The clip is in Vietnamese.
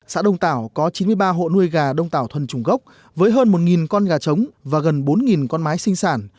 xã đông tảo có chín mươi ba hộ nuôi gà đông tảo thuần trùng gốc với hơn một con gà trống và gần bốn con mái sinh sản